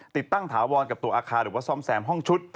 ติดตั้งถาวรกับตัวอาคารหรือว่าซ่อมแซมห้องชุด